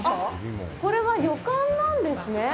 これは旅館なんですね。